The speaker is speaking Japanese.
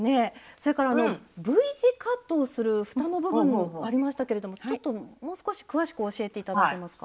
それからＶ字カットをするふたの部分もありましたけれどもちょっともう少し詳しく教えて頂けますか？